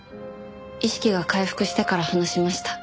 意識が回復してから話しました。